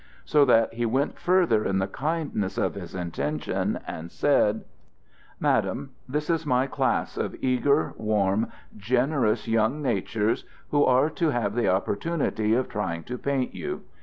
So that he went further in the kindness of his intention and said: "Madam, this is my class of eager, warm, generous young natures who are to have the opportunity of trying to paint you.